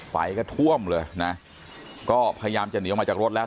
ไฟก็ท่วมเลยนะก็พยายามจะเหนียวมาจากรถแล้ว